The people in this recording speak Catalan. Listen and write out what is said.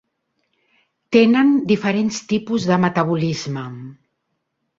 Tenen diferents tipus de metabolisme.